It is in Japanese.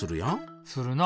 するな。